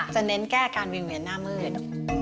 จะเน้นแก้การเวียงเหนือนหน้ามืด